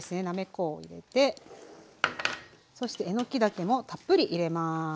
なめこを入れてそしてえのきだけもたっぷり入れます。